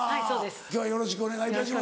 今日はよろしくお願いいたします。